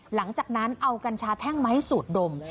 หลังจากนั้นเอากัญชาแท่งไม้สูดดม